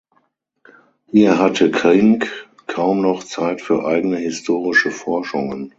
Hier hatte Kink kaum noch Zeit für eigene historische Forschungen.